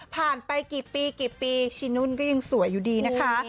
ไปกี่ปีกี่ปีชินุ่นก็ยังสวยอยู่ดีนะคะ